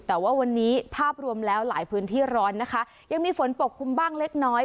แต่ว่าวันนี้ภาพรวมแล้วหลายพื้นที่ร้อนนะคะยังมีฝนปกคลุมบ้างเล็กน้อย